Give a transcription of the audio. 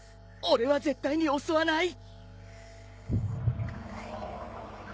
俺は絶対に襲わない！